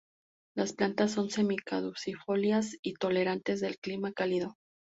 Las plantas son semi-caducifolias y tolerantes del clima cálido.